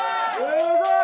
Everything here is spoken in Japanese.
すごい。